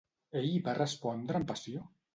Ell va respondre amb passió?